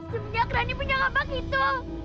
sebenarnya rani punya kapak itu